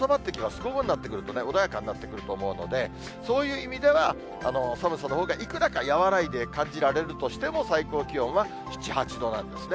午後になってくると、穏やかになってくると思うので、そういう意味では、寒さのほうがいくらか和らいで感じられるとしても、最高気温は７、８度なんですね。